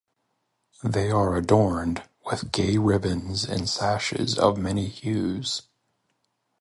They are adorned with gay ribbons and sashes of many hues.